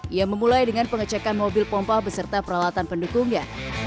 ia memulai dengan pengecekan mobil pompa beserta peralatan pendukungnya